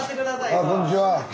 あこんにちは。